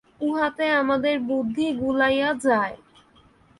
উহাতে আমাদের বুদ্ধি গুলাইয়া যায়।